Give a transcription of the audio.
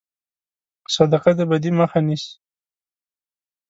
صدقه د بدي مخه نیسي.